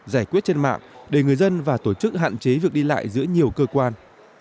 giải quyết trên mạng để người dân và tổ chức hạn chế việc đi lại giữa nhiều cơ quan